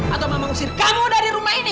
atau mama usir kamu dari rumah ini